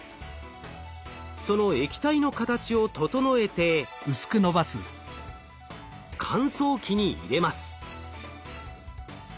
その液体の形を整えて乾燥機に入れます。